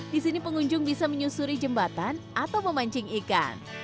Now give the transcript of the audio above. di sini pengunjung bisa menyusuri jembatan atau memancing ikan